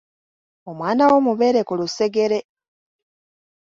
Omwana wo mubeere ku lusegere.